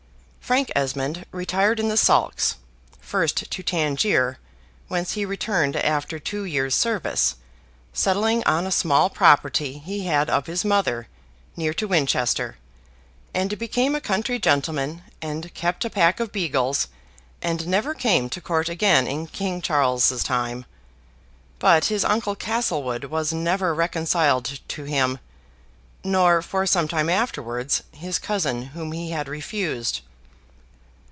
Frank Esmond retired in the sulks, first to Tangier, whence he returned after two years' service, settling on a small property he had of his mother, near to Winchester, and became a country gentleman, and kept a pack of beagles, and never came to Court again in King Charles's time. But his uncle Castlewood was never reconciled to him; nor, for some time afterwards, his cousin whom he had refused.